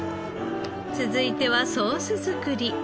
続いてはソース作り。